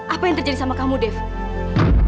apa yang terjadi sama kamu dave